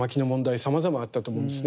さまざまあったと思うんですね。